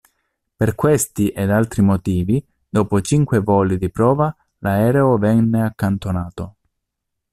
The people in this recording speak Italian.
Per questi, ed altri motivi, dopo cinque voli di prova l'aereo venne accantonato.